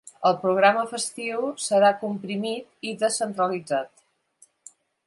El programa festiu serà comprimit i descentralitzat.